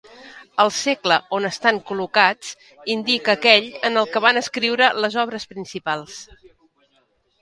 El segle on estan col·locats indica aquell en el qual van escriure les obres principals.